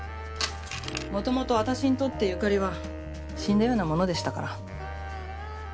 もともと私にとって由香里は死んだようなものでしたから。